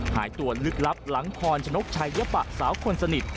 หายตัวลึกลับหลังพรชนกชัยยปะสาวคนสนิท